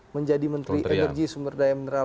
menjadi menteri energi sumber daya mineral